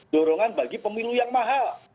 dorongan bagi pemilu yang mahal